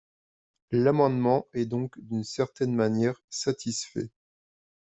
L’amendement est donc d’une certaine manière satisfait.